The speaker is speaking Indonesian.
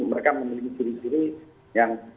mereka memiliki ciri ciri yang